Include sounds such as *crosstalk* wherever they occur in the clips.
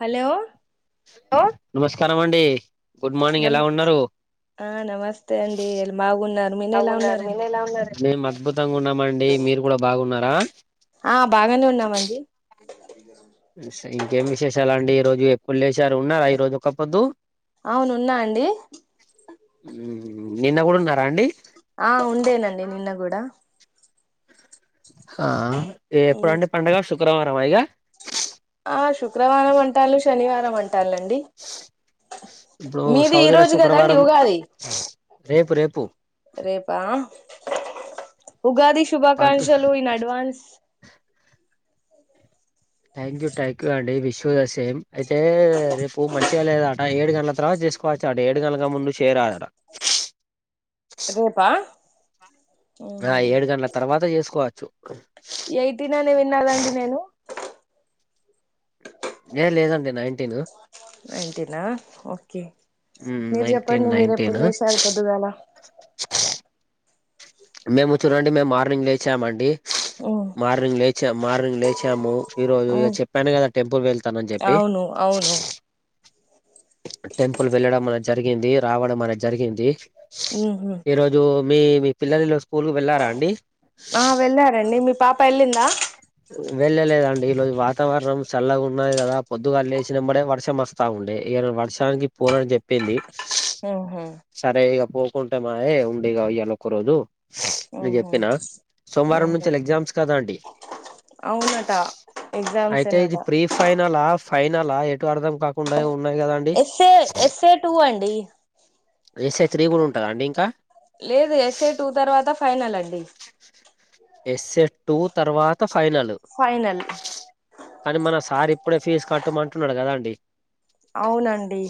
Hello hello నమస్కారం అండి good morning నమ్ ఎలా ఉన్నారు ఆ నమస్తే అండి బాగున్నారు మీరు ఎలా ఉన్నారండి మేము అద్భుతంగా ఉన్నామండి మీరు కూడా బాగున్నారా ఆ బాగానే ఉన్నామండి ఇంకేం విశేషాలు అండి ఈ రోజు ఎప్పుడు లేసారు ఉన్నారా ఈ రోజు ఒక్కపోద్దు అవును ఉన్నా అండి నిన్న గూడా ఉన్నారా అండి ఆ ఉండేనండి నిన్న గూడా ఆ ఎప్పుడండి పండుగ శుక్రవారమ ఇగా ఆ శుక్రవారం అంటాలు శనివారం అంటాలండి ఇప్పుడు మీది ఈ సౌదీల రోజు కాదండి శుక్రవారం ఉగాది రేపు రేపు రేపా ఉగాది పంత్ శుభాకాంక్షలు in advance thank you thank you అండి విషూ ద సేమ్ అయితే రేపు మంచిగా లేదాట ఏడు గంటల తర్వాత చేసుకోవచ్చాట ఏడు గంటల కన్నా ముందు చేయరాదట అ *inaudible* రేపా ఆ ఏడు గంటల తర్వాత చేసుకోవచ్చు ఎయిటీన్ అని విన్నాదండి నేను లేదు లేదండి నైన్టీను నైన్టినా ఓకే మ్మ్ మీరు నైన్ టెన్ చెప్పండి నైన్ టెన్ మీరెప్పుడు లేసారు పొద్దుగాల మేము చూడండి మేము మార్నింగ్ లేచామండి మార్నింగ్ లేచ మార్నింగ్ లేచాము ఈ రోజు ఇగ చెప్పాను కదా టెంపుల్ కీ వెళ్ అవును అవును టెంపుల్ వెళ్ళడం అనేది జరిగింది రావడం అనేది జరిగింది ఊహు ఈరోజు మీ మీ పిల్లలు స్కూల్ కు వెళ్ళారా అండి ఆ వెళ్ళారండి మీ పాప ఎల్లిందా వెళ్ళలేదండి ఈరోజు వాతావరణం చల్లగా ఉన్నది కదా పొద్దుగాళ లేషినంబడే వర్షం వస్తా ఉండే ఇగ ఇపుడు వర్షానికి పోనని జెప్పింది ఆహ పోకుంటే మాయే ఉండిగా ఇయ్యాల ఒక రోజు అని ఊహూ చెప్పిన సోమవారం ఊహూ నుంచేలే ఎగ్జామ్స్ కదండి అవునట ఎగ్జామ్స్ అయితే ఇది ఏనట ప్రీ ఫైనల ఫైనల ఎటు అర్థం కాకుండా వు ఎస్ఏ ఎస్ఏ టూ అండి ఎస్ఏ త్రీ కూడా ఉంటదా అండి ఇంకా లేదు ఎస్ఏ టూ తర్వాత ఫైనల్ అండి ఎస్ఏ టు తర్వాత ఫైనల్ ఫైనల్ కానీ మన సార్ ఇప్పుడే ఫీజు కట్టమ అంటున్నాడు కదా అండి అవునండి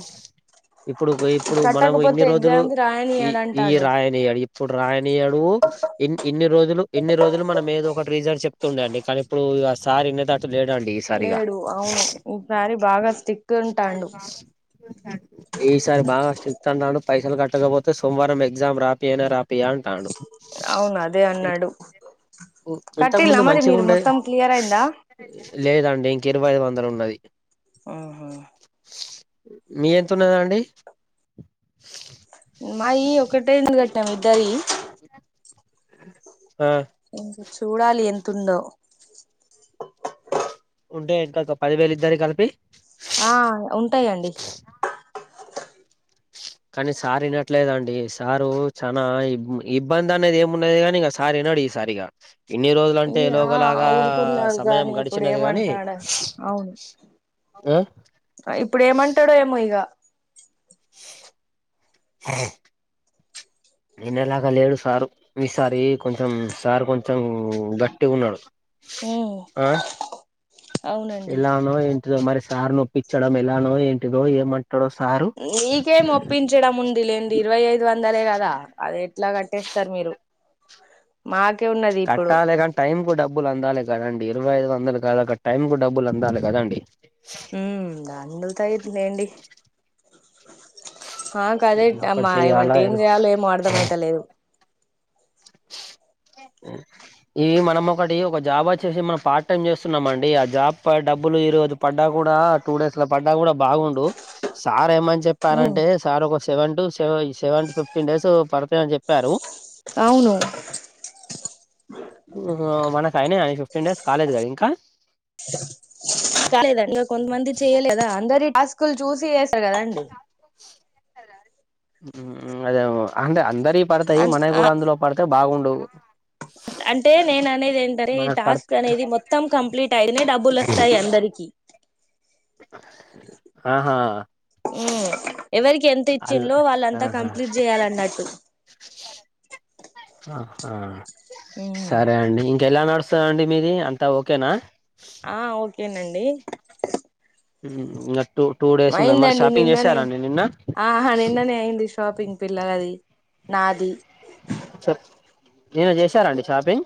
ఇప్పుడు ఇప్పుడు మనం ఇన్ని కట్టకపోతే రోజులు ఎగ్జామ్స్ ఈ ఈ రాయనియడంటాండు రాయనియడు ఇప్పుడు రాయనియాడు ఇన్ ఇన్ని రోజులు ఇన్ని రోజులు మనం ఏదో ఒకటి రీజన్స్ చెప్తుండే అండి కానీ ఇప్పుడు ఆ సార్ ఇన్నె టట్టు లేడు దండి ఈ సారి ఇగా లేడు అవును ఈసారి బాగా స్టిక్ ఉంటాండు ఈ సార్ బాగా స్ట్రీట్ అంటాడు పైసలు కట్టకపోతే సోమవారం ఎగ్జామ్ రాపియనే రాపియా అంటాన్నాడు అవును అదే అన్నాడు ఇంతకు కట్టిల్లా ముందు మరి మంచిగా మీరు ఉండే మొత్తం క్లియర్ అయిందా లేద ఇంకా ఇరవై వందలు ఉన్నాయి ఆహ మీరు ఎళ్తున్నార అండి మాయి ఒకటే కట్టాను ఇద్దరియి ఆ ఇంక చూడాలి ఎంత ఉందొ ఉంటా పది వేలు ఇద్దారీ కలిపి ఆ ఉంటాయండి కానీ సార్ వినట్లేదండి సారు చాన ఇబ్బంది అనేది అమూనడది కాని ఇంకా సార్ ఈనాడు ఈ సారిగా ఇన్ని రోజుల అంటే ఇగ ఎలోగలాగా ఊడుకున్నాడు సమయం గాని ఇప్పుడు గడిచినది గాని ఆ ఆ ఇప్పుడు ఏమంటాడో ఏమో ఇగ ఆ నేను ఎలాగా లేడు సార్ ఈసారి కొంచెం సార్ కొంచెం గట్టి ఉన్నాడు ఆ హామ్ ఎలానో ఏంటిదో మరి సార్ ఆప్ప్పించడం ఎలానో ఏంటిదో ఏమంట మీకేం ఒప్పించడం ఉంది లేడి ఇరవై యిదు వందలే కదా అది ఎట్లా కట్టేస్తారు మీరు టు మా కట్టాలి కానీ టైం కు డబ్బులు అందాలి కదండడి ఇరవై ఐదు వందల ద టైం కు డబ్బులు అందాల కదండి హామ్ అందుతాయి న అండి ఆ కదే ఒక్కటి అమ్మా చెయ్యాలా ఏమంటే ఏం చేయాలో ఏమో అర్థం అయిత లేదు ఉ ఇవి మనం ఒకటి ఒక జాబ్ వచ్చేసి మనం పార్ట్ టైమ్ చేస్తున్నామండి ఆ జాబ్ డబ్బులు ఈరోజు పడ్డాకు కూడా టూ డేస్ లో పడ్డా కూడా బాగుండు సార్ ఏమని ఉమ్ చెప్పారంటే సార్ ఒక సెవెన్ టు సెవ సెవెన్ టు ఫిఫ్టీన్ డేస్ పడతాయ అని చెప్పారు అవును ఓహో మనకు ఐనా అ ఫిఫ్టీన్ డేస్ కాలేదు కదా ఇంకా కాలేదు అండి ఇంకా కొంతమంది చేయలే కదా అందరి టాస్కులు చూసి చేస్తారు కదాండి హామ్ అదే అంటే అందరి పడతాయి అన్ మనవి ఆ కూడా అందులో పడితే బాగుండు అంటే నేన అనేది ఏంటంటే ఈ మనకు పడ టాస్క్ అనేది మొత్తం కంప్లీట్ అయింది డబ్బులు వస్తాయి అందరికీ ఆహా ఉ ఎవరికి ఎంత అల్ ఇచ్చింలో వాళ్ళంతా ఆహా కంప్లీట్ చేయాలన్నట్టు ఆ ఆ సరే అండి ఇంకెలా నడుస్తందండి మీది అంతా ఓకేనా ఆ ఓకేనండి ఉమ్, ఇంకా టూ టూ డేస్ ఉన్నది మరి అయిందండి షాపింగ్ నిన్ననే చేసారండి నిన్న ఆహా నిన్ననే అయింది షాప్ పిం పిల్లల అది నాది స మీరు చేశారాండి షాపింగ్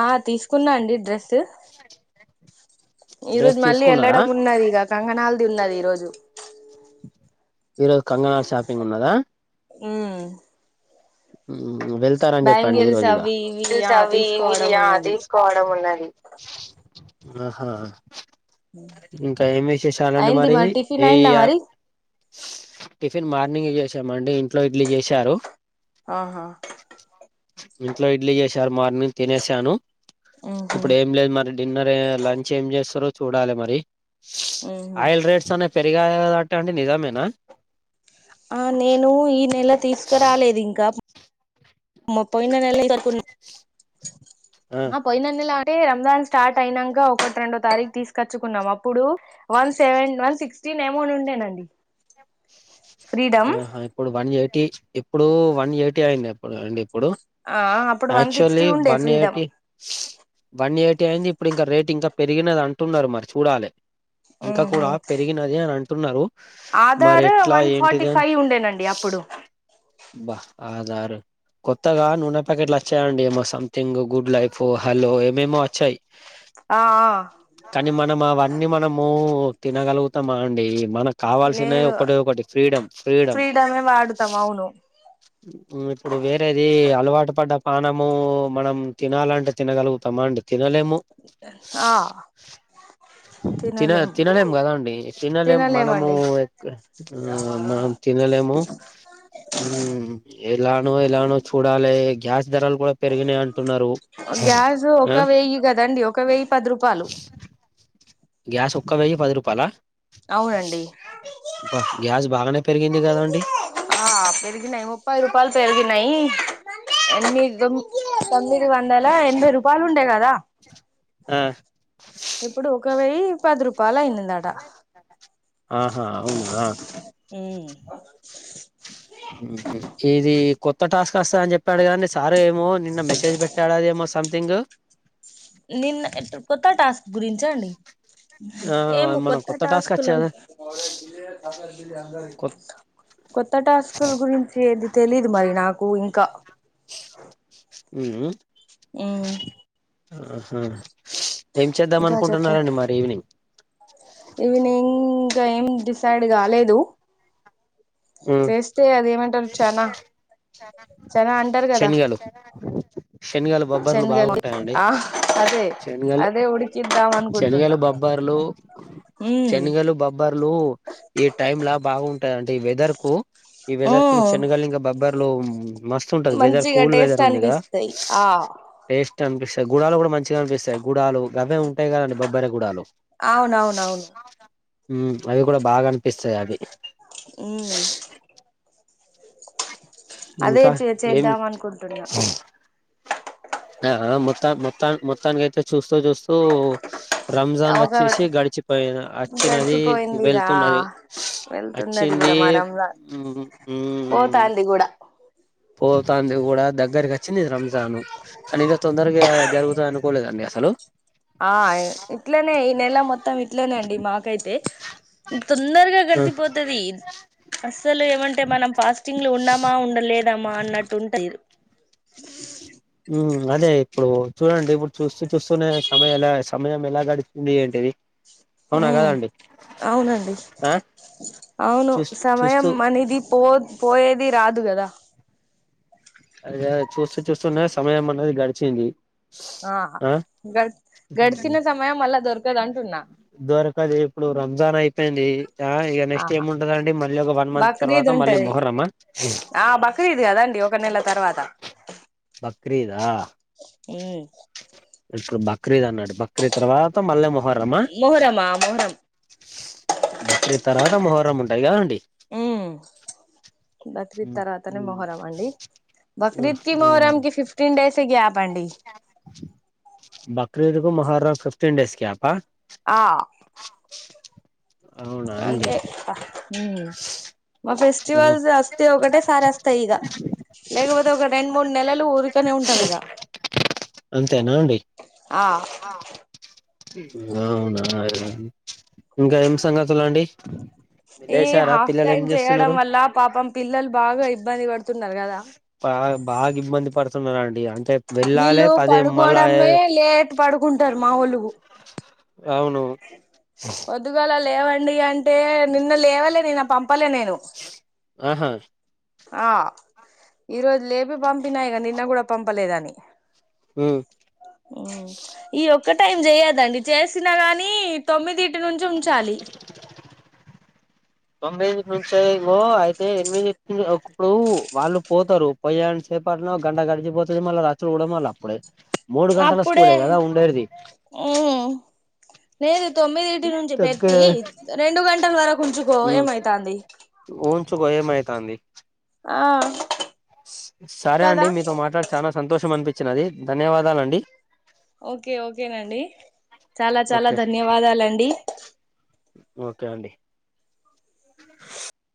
ఆ తీసుకున్నా అండి డ్రెస్ ఈ రోజు డ్రెస్ మళ్ళీ తీసుకున్నారా వెళ్ళడం ఉన్నది ఇక కంగణల్ది ఉన్నది ఈ రోజు ఈరోజు కంగనాలు షాపింగ్ ఉన్నదా ఉమ్ వెళ్తారని చెప్పండి ఈ బ్యాంగిల్స్ రోజుగా అవి ఇవి ఆ అవి తీసుకోవడం వియా ఉన్నది తీసుకోవడం ఉన్నది ఆహా ఇంకా ఏమి విశేషాలండి అయింది మరి టిఫిన్ ఏ అయిందా మరి టిఫిన్ మార్నింగ్ చేసా మండి ఇంట్లో ఇడ్లీ చేశారు ఆహా ఇంట్లో ఇడ్లీ చేసారు మార్నింగ్ తినేసాను ఉహు ఇప్పుడు ఏం లేదు మరి డిన్నర్ లంచ్ ఏం చేస్తారో చూడాలి మరి ఉహు ఆయిల్ రేట్స్ అనే పెరిగా అంత నిజమేనా ఆ నేను ఈ నెల తీసుకురాలేదు ఇంకా మో పోయిన నేల సరుకుంద్ ఆ పోయిన నేలా అంటే రంజాన్ స్టార్ట్ అయినాక ఒక ఒకటి రెండో తారీకు తీసుకొచ్చుకున్నాం. అప్పుడు వన్ సెవెన్ వన్ సిక్స్టీన్ ఏమోని ఉండేనండి. ఫ్రీడమ్ ఆహా ఇప్పుడు వన్ ఎయిటీ ఇప్పుడు వన్ ఎయిటీ అయింది ఇప్పుడు అండి ఇప్పుడు ఆ అప్పుడు వన్ యాక్చువల్లీ సిక్స్టీ ఉండే one freedom eighty one eighty అయింది. ఇప్పుడు ఇంకా రేట్ ఇంకా పెరిగినది అంటున్నారు. మరి చూడాలి ఇంకా కూడా పెరిగినది అని అంటున్నారు. మరి ఆధారు ఎట్లా వన్ ఫార్టీ ఫైవ్ ఉండేనండి అప్పుడు అబ్బా ఆధారు కొత్తగా నూనె ప్యాకెట్లు వచ్చాయండి. ఏమో సంథింగ్ గుడ్ లైఫ్ హలో ఏమేమో వచ్చాయి. ఆ ఆ కానీ మనం అవన్నీ మనం ము తినగలుగుతామా అండి మనకు కావాల్సిన లేదు ఒకటి ఒకటి ఫ్రీడమ్ ఫ్రీడమ్ వాడుతము అవును ఇప్పుడు వేరేది అలవాటు పడ్డ పానము మనం తినాలంటే తినగలుగుతామా అండి. తినలేము ఆ తిన తినలేము తినలేం కదా అండి. తినలేం మనము తినలేమండి మనం తినలే లేము ఉమ్ ఎలానో ఎలానో చూడాలి గ్యాస్ ధరలు కూడా పెరిగినాయి అంటున్నారు గ్యాస్ ఆ ఒక వెయ్యి కదండి. ఒక వెయ్యి పది రూపాయలు గ్యాస్ ఒక్క వెయ్యి పది రూపాయాల అవునండి అబ్బా గ్యాస్ భాగనే పెరిగింది కదండి ఆ పెరిగినాయి ముప్పై రూపాయలు పెరిగినాయి ఎన్ని తొమ్మిది వందల ఎనభై రూపాయలు ఉండేయి కదా ఆ ఇప్పుడు ఒక వెయ్యి పది రూపాయలు అయింది దట ఆహా అవునా ఇది కొత్త టాస్క్ వస్తా అని చెప్పాడు కాండి సారు ఏమో నిన్న మెసేజ్ పెట్టాడు అదిమో సంథింగ్ నిన్న కొత్త టాస్క్ గురించ అండి ఆ ఏమో మనం కొత్త టాస్క్ టాస్క్లా వచ్చేద కొ కొత్త టాస్కుల గురించి ఏది తెలీదు మరి నాకు ఇంకా ఉమ్ ఉ ఉమ్ ఆహా ఏం చేద్దాం అనుకుంటున్నారండి మరి ఈవినింగ్ ఈవినింగ్ ఏం డిసైడ్ కాలేదు. ఈవినింగ్ చేస్తే అది ఏమంటారు చానా శనిగలు శనగలు బొబ్బర్లు శనగలు బాగుంటాయ అండి. ఆ అదే శనగల్ అదే ఉడికిద్దాం శనగల అనుకుంటున్నా బొబ్బ బబ్బర్లు ఉమ్ శనగలు బబ్బర్లు ఈ టైమ్ లా బాగుంటాయి అంటే వె కు ఈ ఓ వెదర్ చెన్నగలి ఇంక బబ్బర్లో మస్తు ఉంటది వెదర్ మంచిగా కూల్ టేస్ట్ వెదర్ ఉంది గా అనిపిస్తాయి ఆ టేస్ట్ అనిపిస్ గుడాలు కూడా మంచిగా అనిపిస్తాయి. గుడాలు గవే ఉంటాయి కదండి బబ్బరి గుడాలు అవునవునవును ఉమ్ అవి కూడా బాగా అనిపిస్తాయి అవి ఉమ్ అదే ఇంకా చే ఏం చేద్దామనుకుంటున్న ఆ మొత్తా మొత్తా మొత్తానికి అయితే చూస్తూ చూస్తూ రంజాన్ ఒక వచ్చేసి గడిచిపోయి అచ్చినది గడిచిపోయింది వెళ్తున్నది అచ్చిన్ డమారమ్లా పోతాంది కూడా పోతాంది కూడా దగ్గరికి వచ్చింది. రంజాను కానీ ఇకా తొందరగా జరుగుతా అనుకోలేదండి. హలో ఆ ఇట్లనే ఈ నెల మొత్తం ఇట్లనేండి మాకైతే తొందరగా గడిచిపోతది అస్సలు ఏమంటే మనం ఫాస్టింగ్లు ఉన్నామా ఉండలేదమా అన్నట్టు ఉంటయి ఉమ్ అదే ఇప్పుడు చూడండి ఇప్పుడు చూస్తూ చూస్తూనే సమయం ఎలా సమయం ఎలా గడిచింది ఏంటిది ఉ అవునా కదండి అవునండి ఆ అవును చూస్తూ సమయం చూస్తూ అనేది పో పోయేది రాదు కదా అదే చూస్తూ చూస్తూనే సమయం అనేది గడిచింది ఆ గడ్ ఆ గడ్సిన సమయం అలా దొరకదు అన్ దొరకది ఇప్పుడు రంజాన్ అయి ఏంది ఆ ఇక నెక్స్ట్ ఆహా ఏముండదండి మళ్ళీ ఒక వన్ మంత్ తర్వాత బక్రీద్ మళ్ళీ ఉంటది మోహర్రమ ఆ బక్రీద్ కదండి ఒక నెల తర్వాత బక్రీదా ఉమ్ ఇ బక్ బక్రీద్ అన్నాడు బక్రీ తర్వాత మల్లేమో మొహరమా మోహరం బక్రీద్ తర్వాత మొహరం ఉంటది గద అండి ఉ బక్రీద్ తర్వాతనే మొహరం అండి బక్రీద్ కి మొహరం కి ఫిఫ్టీన్ డేస్ గ్యాప్ అండి బకరీదుకు మొహర్ర కు ఫిఫ్టీన్ డేస్ గ్యాపా ఆ అవునా అండి అంతే మా ఫెస్టివల్స్ వస్తే ఒకటే సారి వస్తాయి ఇగ లేకపోతే ఒక రెండు మూడు నెలలు ఊరికనే ఉంటాం ఇగ అంతేనా అండి ఆ అవునారే ఇంకా ఏం సంగతులు అండి ఈ లేచారా హాఫ్ పిల్లలు ఏం టైమ్ చేయడం చేస్తున్నారు వల్ల పాపం పిల్లలు బాగా ఇబ్బంది పడుతున్నారు కదా బా బాగా ఇబ్బంది పడుతున్నారండి అంటే వెళ్ళాలే వీళ్ళు పదే మళ్ళా పడుకోవడమే లేట్ పడుకుంటారు మా ఒలుగు అవును పొద్దుగాల లేవండి అంటే నిన్న లేవలే నిన్న పంపలే నేను ఆహా ఆ ఈరోజు లేపి పంపినా ఇగ నిన్న కూడా పంపలేదని ఉమ్ ఈ ఒక్క టైం చేయద్దండీ చేసినా కాని నీ తొమ్మిది ఇంటి నుంచి ఉంచాలి తొమ్మిదింటి నుంచి ఇగో అయితే ఎనిమిది ఒకప్పుడు వాళ్ళు పోతారు పోయ్యాని సేపు పొద్దున ఒక గంట గడిచిపోతది మళ్ళీ రచ్చులు కూడా మళ్ళీ అప్పుడే మూడు గంటల అప్పుడే స్కూలే కదా ఉండేది ఊ లేదు తొమ్మిది ఇటి నుంచి తగ్గే పెట్టి రెండు గంటల వరకు ఉంచుకో ఏమైతాంది అంది ఆ స సరే అండి కదా మీతో మాట్లాడి చానా సంతోషం అనిపించినది ధన్యవాదాలండి ఓకే ఓకేనండి చాలా చాలా ఓకే ధన్యవాదాలండి ఓకే అండి